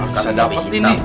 saya dapat ini